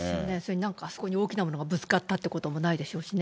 なんかあそこに大きなものがぶつかったっていうこともないでしょうしね。